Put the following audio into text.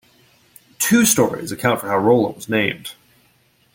Two stories account for how Rolla was named.